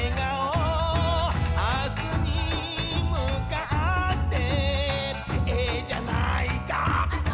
「明日に向かってええじゃないか」